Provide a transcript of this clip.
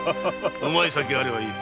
うまい酒があればいい。